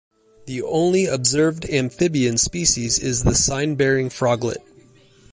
The only observed amphibian species is the sign-bearing froglet.